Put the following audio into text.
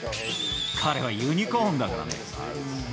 彼はユニコーンだからね。